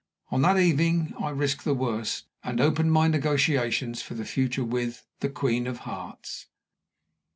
On that evening I risked the worst, and opened my negotiations for the future with "The Queen of Hearts."